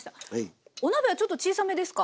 お鍋はちょっと小さめですか？